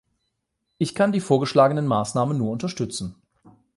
Ich kann die vorgeschlagenen Maßnahmen nur unterstützen.